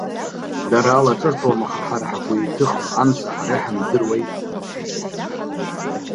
Дара алаҿырҭуам, аха ҳара ҳгәы иҭыхо амца ҳара иҳамдыруеи.